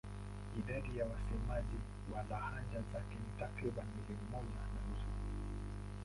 Idadi ya wasemaji wa lahaja zake ni takriban milioni moja na nusu.